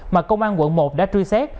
mà công an quận một đã truy xét